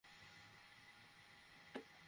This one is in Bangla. করবো, অ্যারেস্টও করবো, প্রমাণ হাতে পেলেই।